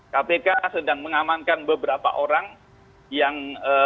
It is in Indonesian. kpk sedang mengamankan beberapa orang yang